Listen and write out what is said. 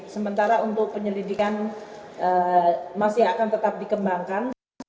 sementara untuk penyelidikan masih akan tetap dikembangkan